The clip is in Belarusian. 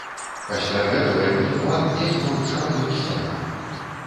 Пасля гэтага дні два князь маўчаў, як сцяна.